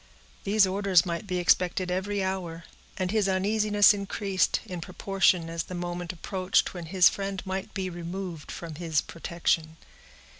These orders might be expected every hour, and his uneasiness increased, in proportion as the moment approached when his friend might be removed from his protection.